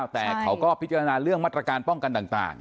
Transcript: แต่เขาก็พิจารณาเรื่องมาตรการป้องกันต่าง